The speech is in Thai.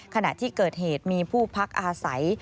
ขณะที่เกิดเหตุมีผู้พักอาศัย